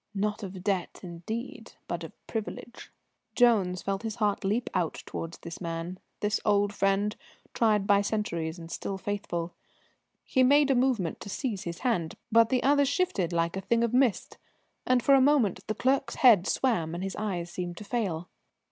"Not of debt, indeed, but of privilege." Jones felt his heart leap out towards this man, this old friend, tried by centuries and still faithful. He made a movement to seize his hand. But the other shifted like a thing of mist, and for a moment the clerk's head swam and his eyes seemed to fail.